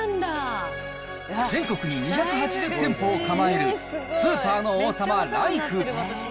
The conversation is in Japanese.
全国に２８０店舗を構えるスーパーの王様、ライフ。